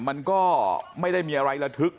มันก็ไม่ได้มีอะไรระทึก